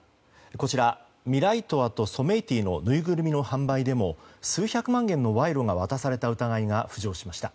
こちらミライトワとソメイティのぬいぐるみの販売でも数百万円の賄賂が渡された疑いが浮上しました。